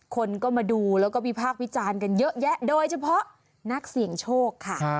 คนก็มาดูแล้วก็วิพากษ์วิจารณ์กันเยอะแยะโดยเฉพาะนักเสี่ยงโชคค่ะ